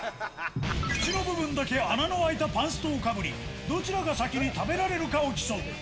口の部分だけ穴の開いたパンストをかぶり、どちらが先に食べられるかを競う。